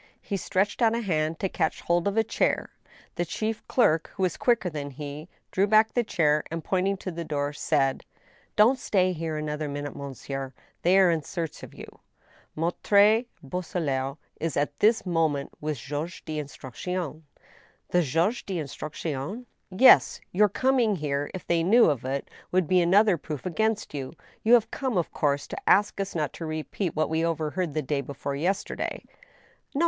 He stretched out a hand to catch hold of a chair. The chief clerk, who was quicker than he, drew back the chair, and, pointing to the door, said : "Don't stay here another minute, monsieur! ... they are in search of you. Maitre Boisselot is at this moment with the juge d* instruction^* " Thejuge d* instruction t " Yes. Your coming here, if they knew of it, would be another 92 THE STEEL HAMMER. proof against you. You have come, of course, to ask us not to re peat what we overheard the day before yesterday." " No.